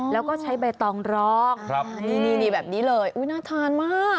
แล้วก็ใช้ใบตองรองนี่แบบนี้เลยอุ๊ยน่าทานมาก